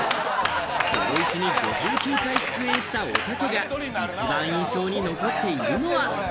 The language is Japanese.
『ゼロイチ』に５９回出演した、おたけが一番印象に残っているのは。